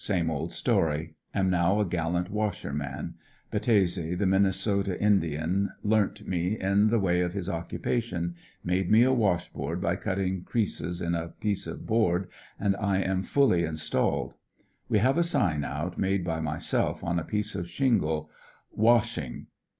Same old story. Am now a gallant washer man. Battese, the Minnesota Indian, learn't me in the way of his occupation, made me a wash board by cutting crea ses in a piece of board, and I am fully installed. We have a sign out, made by myself on a piece of shingle: ''WASHING."